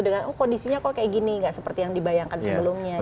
dengan oh kondisinya kok kayak gini gak seperti yang dibayangkan sebelumnya